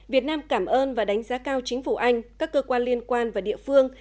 việt nam cảm ơn và đánh giá cao chính phủ anh các cơ quan liên quan và địa phương